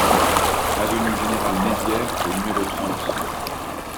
Avenue Général Maizière au numéro trente